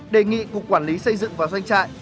đề nghị cục quản lý xây dựng và doanh trại